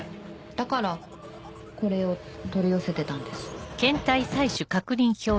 だからこれを取り寄せてたんです。